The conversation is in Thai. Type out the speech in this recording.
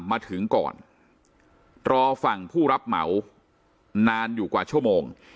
มาถึงก่อนรอฝั่งผู้รับเหมานานอยู่กว่าชั่วโมง